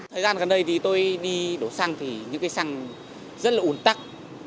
thời gian gần đây thì tôi đi đổ xăng thì những cây xăng rất là ủn tắc